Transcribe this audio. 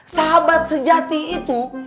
sahabat sejati itu